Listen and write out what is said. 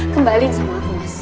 kembaliin sama aku mas